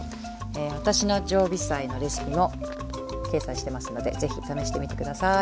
私の常備菜のレシピも掲載してますので是非試してみて下さい。